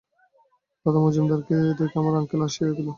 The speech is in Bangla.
দাদা, মজুমদারকে দেখে আমার আক্কেল এসে গেল।